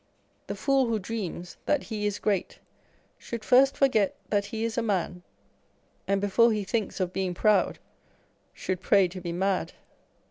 The fool who dreams that he is great should first forget that he is a man, and before he thinks of being proud, should pray to be mad